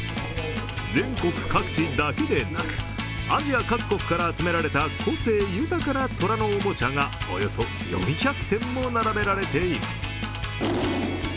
全国各地だけでなく、アジア各国から集められた個性豊かな虎のおもちゃがおよそ４００点も並べられています。